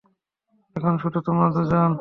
এখন শুধু তোমরা দুজন।